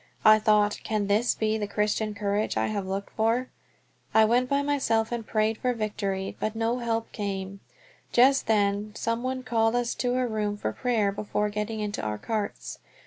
I thought, "Can this be the Christian courage I have looked for?" I went by myself and prayed for victory, but no help came. Just then some one called us to a room for prayer before getting into our carts.